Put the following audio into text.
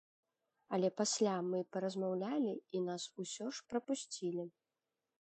Але пасля мы паразмаўлялі, і нас усё ж прапусцілі.